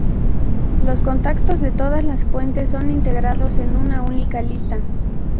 Los contactos de todas las fuentes son integrados en una única lista.